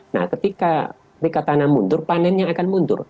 nah ketika tanam mundur panennya akan mundur